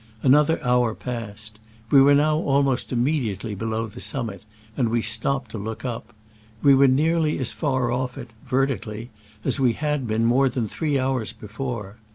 Another hour passed. We were now almost im mediately below the summit, and we stopped to look up. We were nearly as far off it (vertically) as we had been more than three hours before.